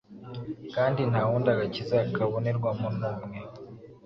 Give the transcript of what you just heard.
Kandi nta wundi agakiza kabonerwamo numwe,